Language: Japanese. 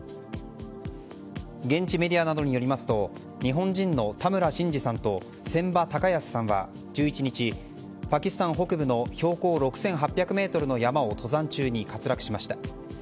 現地メディアによりますと日本人のタムラ・シンジさんとセンバ・タカヤスさんは１１日パキスタン北部の標高６８００ｍの山を登山中に滑落しました。